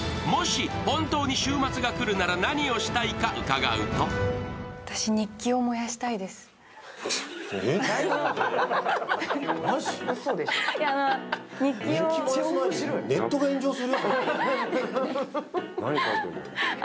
もし本当に終末が来るなら何をしたいか伺うとマジ？